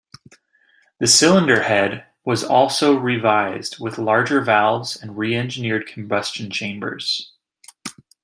The cylinder head was also revised with larger valves and re-engineered combustion chambers.